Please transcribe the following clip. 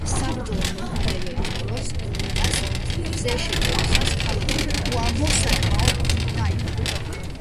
საბრძოლო მოქმედებების დროს უნიტას რაზმებზე შეტევისას ქალაქი უამბო საკმაოდ დაინგრა.